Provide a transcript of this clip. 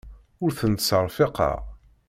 Ur ten-ttserfiqeɣ.